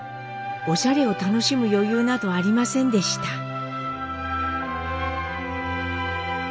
おしゃれを楽しむ余裕などありませんでした。